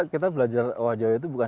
kita belajar wajoyo itu bukan